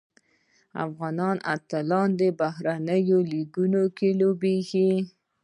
افغان اتلان په بهرنیو لیګونو کې لوبیږي.